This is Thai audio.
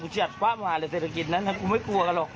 กูชัดพละมากเลยเศรษฐกิจนั้นไม่กลัวกันหรอก